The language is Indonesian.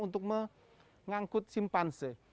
untuk mengangkut simpanse